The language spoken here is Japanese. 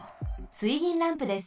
水銀ランプです。